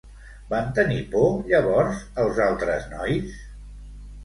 Van tenir por llavors els altres nois?